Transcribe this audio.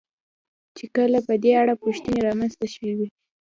چې کله په دې اړه پوښتنې را منځته شوې.